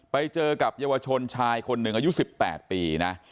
ไปเจอกับเยาวชนชายคนหนึ่งอายุ๑๘ปีนะ